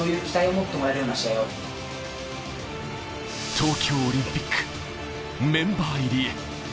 東京オリンピック、メンバー入りへ。